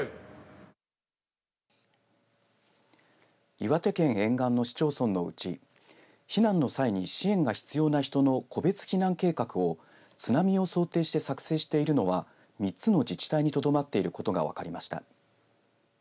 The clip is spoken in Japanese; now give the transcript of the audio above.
岩手県沿岸の市町村のうち避難の際に、支援が必要な人の個別避難計画を津波を想定して作成しているのは３つの自治体にとどまっていることが分かりました。